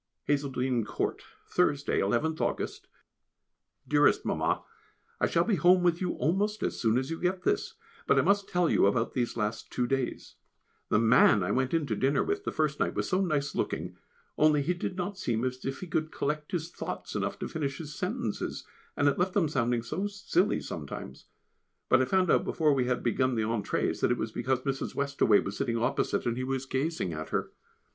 Hazeldene Court, Thursday, 11th August. [Sidenote: Lady Bobby's Diversions] Dearest Mamma, I shall be home with you almost as soon as you get this. But I must tell you about these last two days. The man I went in to dinner with the first night was so nice looking, only he did not seem as if he could collect his thoughts enough to finish his sentences, and it left them sounding so silly sometimes, but I found out before we had begun the entrées that it was because Mrs. Westaway was sitting opposite, and he was gazing at her.